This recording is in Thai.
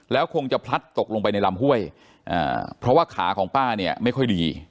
แล้วคงจะพลัดตกลงไปในลำห้วยเพราะว่าขาของป้าเนี่ยไม่ค่อยดี